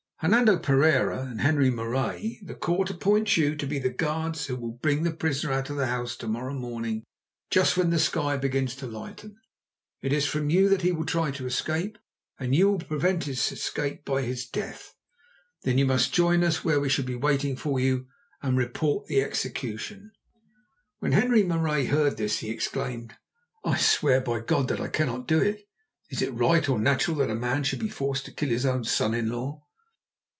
Hernando Pereira and Henri Marais, the court appoints you to be the guards who will bring the prisoner out of his house to morrow morning just when the sky begins to lighten. It is from you that he will try to escape, and you will prevent his escape by his death. Then you must join us where we shall be waiting for you and report the execution." When Henri Marais heard this he exclaimed: "I swear by God that I cannot do it. Is it right or natural that a man should be forced to kill his own son in law?"